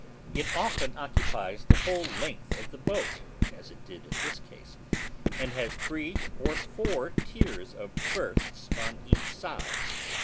It often occupies the whole length of the boat (as it did in this case), and has three or four tiers of berths on each side.